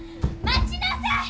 待ちなさい！